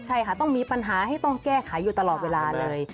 ใช่ค่ะต้องมีปัญหาให้ต้องแก้ไขอยู่ตลอดเวลาเลย